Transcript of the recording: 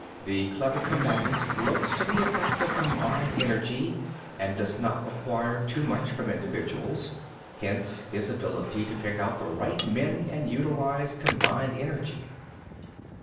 21. The clever combatant looks to the effect of combined energy, and does not require too much from individuals. Hence his ability to pick out the right men and utilise combined energy.